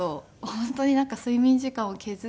本当になんか睡眠時間を削って。